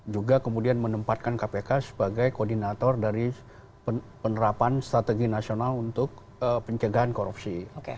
juga kemudian menempatkan kpk sebagai koordinator dari penerapan strategi nasional untuk pencegahan korupsi